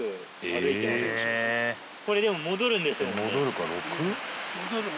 これでも戻るんですよね？